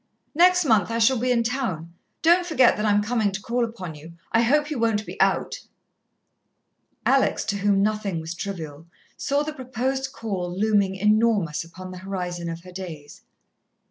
"Next month I shall be in town. Don't forget that I am coming to call upon you. I hope you won't be 'out'!" Alex, to whom nothing was trivial, saw the proposed call looming enormous upon the horizon of her days.